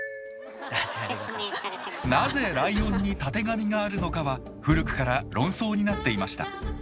なぜライオンにたてがみがあるのかは古くから論争になっていました。